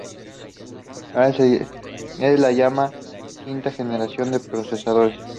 Es la llamada quinta generación de procesadores.